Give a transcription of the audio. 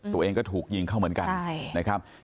ตัวเองก็ถูกยิงเข้าเหมือนกันนะครับ